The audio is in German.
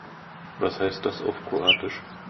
Was heißt das auf Kroatisch?